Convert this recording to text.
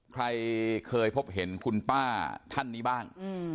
ใครเคยพบเห็นคุณป้าท่านนี้บ้าง